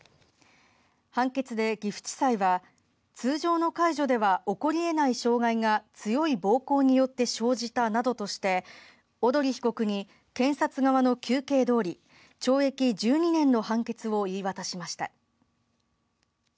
判決で岐阜地裁は通常の介助では起こり得ない傷害が強い暴行によって生じたなどとして小鳥被告に検察側の求刑どおり懲役１２年の判決を言い渡しました。